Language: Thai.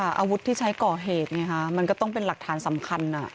อาวุธที่ใช้ก่อเหตุไงฮะมันก็ต้องเป็นหลักฐานสำคัญ